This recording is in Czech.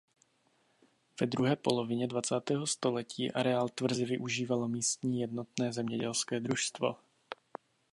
Ve druhé polovině dvacátého století areál tvrze využívalo místní jednotné zemědělské družstvo.